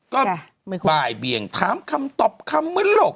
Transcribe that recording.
ก็บ่ายเบียงถามคำตอบคำมึนโลก